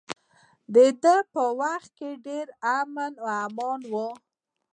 د ده په وخت کې ډیر امن و امان و.